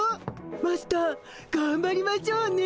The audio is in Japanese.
マスターがんばりましょうね。